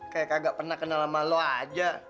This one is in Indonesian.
kayak kagak pernah kenal sama lo aja